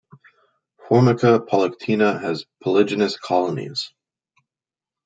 "Formica polyctena" has polygynous colonies.